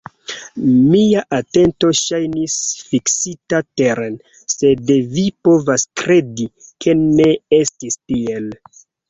Mia atento ŝajnis fiksita teren, sed vi povas kredi, ke ne estis tiel.